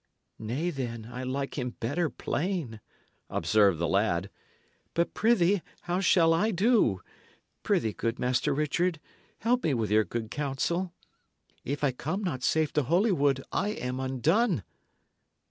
"Nay, then, I like him better plain," observed the lad. "But, prithee, how shall I do? Prithee, good Master Richard, help me with your good counsel. If I come not safe to Holywood, I am undone."